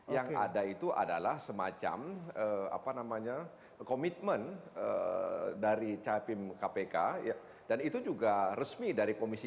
yang ada itu adalah semacam komitmen dari capim kpk dan itu juga resmi dari komisi tiga